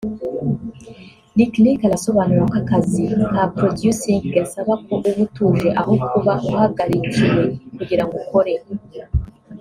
Lick Lick arasobanura ko akazi ka producing gasaba ko uba utuje aho kuba uhagarikiwe kugira ngo ukore